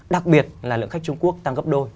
đặc biệt là lượng khách trung quốc tăng gấp đôi